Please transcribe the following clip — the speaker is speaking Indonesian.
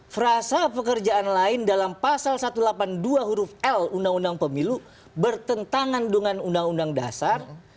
frasa pekerjaan lain dalam pasal satu ratus delapan puluh dua huruf l undang undang pemilu bertentangan dengan undang undang dasar